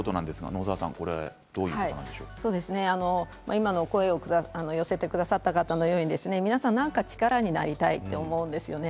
今の声を寄せてくださった方のように皆さん、何か力になりたいと思うんですね。